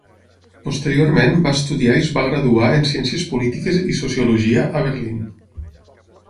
Posteriorment va estudiar i es va graduar en Ciències polítiques i Sociologia a Berlín.